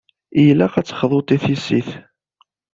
Ilaq ad texḍuḍ i tissit.